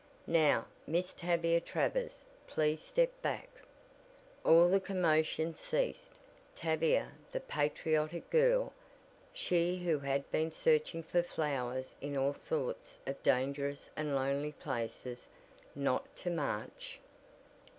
Now, Miss Tavia Travers, please step back." All the commotion ceased. Tavia the patriotic girl she who had been searching for flowers in all sorts of dangerous and lonely places not to march?